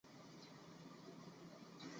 在今青海省贵德县境内。